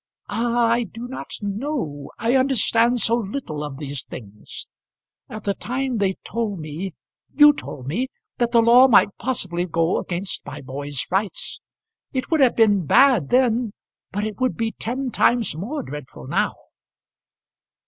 "Ah! I do not know; I understand so little of these things. At the time they told me, you told me that the law might possibly go against my boy's rights. It would have been bad then, but it would be ten times more dreadful now."